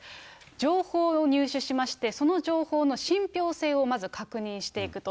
情報を入手しまして、その情報の信ぴょう性をまず確認していくと。